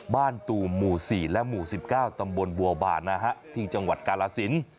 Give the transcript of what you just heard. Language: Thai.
ตูมหมู่๔และหมู่๑๙ตำบลบัวบานนะฮะที่จังหวัดกาลสิน